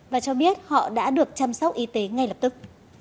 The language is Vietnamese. và cho biết họ đã được chăm sóc y tế ngay lập tức